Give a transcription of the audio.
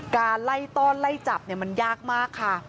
การไล่ต้อนไล่จับมันยากมากค่ะ